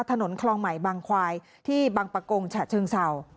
ถนนคลองใหม่บางควายที่บังปะโกงฉะเชิงเศร้า